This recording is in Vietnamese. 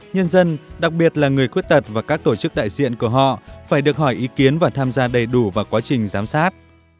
nhân dân đặc biệt là người khuyết tật và các tổ chức đại diện của họ phải được hỏi ý kiến và tham gia đầy đủ vào quá trình giám sát